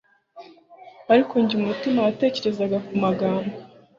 ariko njye umutima watekerezaga ku magambo